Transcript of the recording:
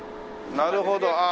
なるほど。